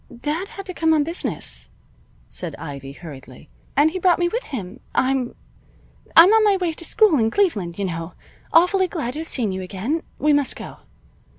"Dad had to come on business," said Ivy, hurriedly. "And he brought me with him. I'm I'm on my way to school in Cleveland, you know. Awfully glad to have seen you again. We must go.